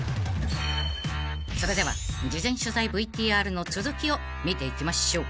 ［それでは事前取材ＶＴＲの続きを見ていきましょう］